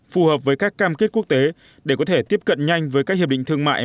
phù hợp với các cam kết quốc tế để có thể tiếp cận nhanh với các hiệp định thương mại